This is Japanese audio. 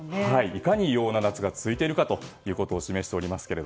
いかに異様な夏が続いているか示しておりますが。